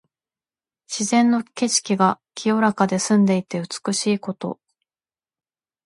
自然の景色が清らかで澄んでいて美しいこと。